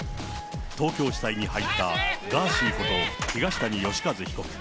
東京地裁に入ったガーシーこと、東谷義和被告。